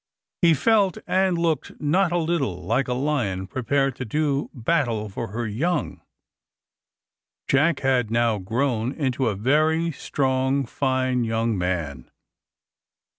He felt and looked not a little like a lion prepared to do battle for her young. Jack had now grown into a very strong fine young man.